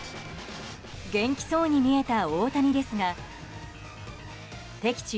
元気そうに見えた大谷ですが敵地